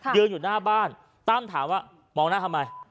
ยืนอยู่หน้าบ้านตั้มถามว่ามองหน้าทำไม